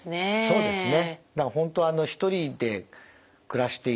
そうですね。